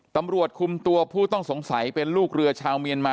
ตำรวจคุมตัวผู้ต้องสงสัยเป็นลูกเรือชาวเมียนมา